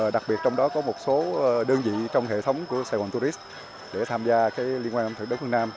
đặc biệt trong đó có một số đơn vị trong hệ thống của sài gòn tourist để tham gia liên quan ẩm thực đất phương nam